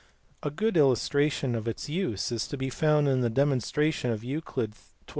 A good illustration of its use is to be found in the demon stration of Euc. xn.